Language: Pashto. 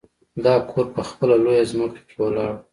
دا کور په خپله لویه ځمکه کې ولاړ و